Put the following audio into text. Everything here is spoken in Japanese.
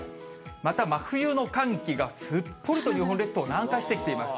また真冬の寒気がすっぽりと日本列島を南下してきています。